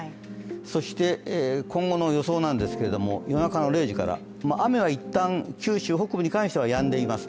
そして今後の予想なんですけれども、夜中の０時から、雨は一旦九州北部に関してはやんでいます。